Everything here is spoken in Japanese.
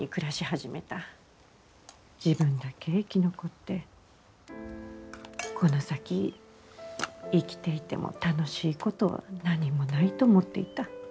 自分だけ生き残ってこの先生きていても楽しいことは何もないと思っていた。